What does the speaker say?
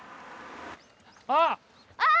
あっ！